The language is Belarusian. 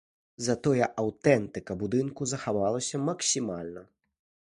Затое аўтэнтыка будынку захавалася максімальна.